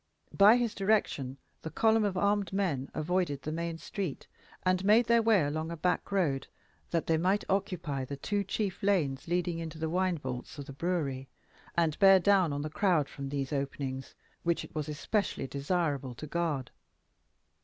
By his direction the column of armed men avoided the main street, and made their way along a back road, that they might occupy the two chief lanes leading into the wine vaults of the brewery, and bear down on the crowd from these openings, which it was especially desirable to guard.